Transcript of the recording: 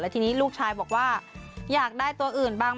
ทีนี้ลูกชายบอกว่าอยากได้ตัวอื่นบ้าง